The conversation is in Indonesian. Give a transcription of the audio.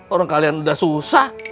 orang kalian udah susah